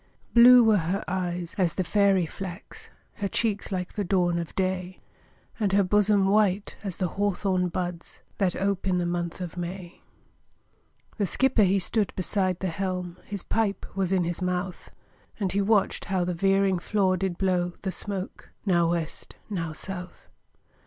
Blue were her eyes as the fairy flax, Her cheeks like the dawn of day, And her bosom white as the hawthorn buds, That ope in the month of May. The skipper he stood beside the helm, His pipe was in his mouth, And he watched how the veering flaw did blow The smoke now West, now South.